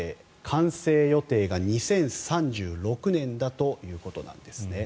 完成予定が２０３６年だということです。